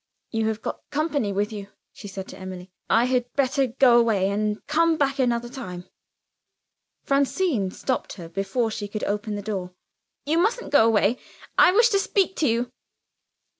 "You have got company with you," she said to Emily. "I had better go away, and come back another time." Francine stopped her before she could open the door. "You mustn't go away; I wish to speak to you."